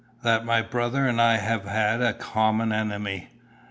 "That my brother and I have had a common enemy.